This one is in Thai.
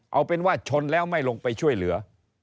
เอาเป็นว่าชนแล้วไม่ลงไปช่วยเหลือ